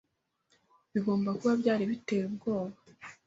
Bigomba kuba byari biteye ubwoba.